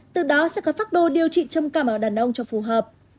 từ đó sẽ có pháp đồ điều trị trông cao ở đàn ông cho phù hợp